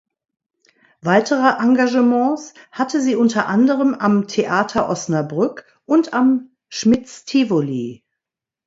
Weitere Engagements hatte sie unter anderem am Theater Osnabrück und am Schmidts Tivoli.